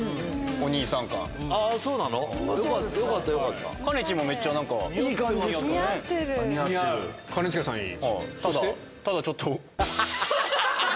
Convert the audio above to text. ただちょっと。